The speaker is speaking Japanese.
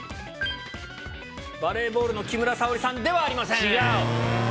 バレーボールの木村沙織さんではありません。